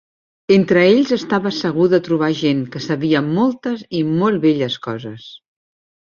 Entre ells estava segur de trobar gent que sabia moltes i molt belles coses.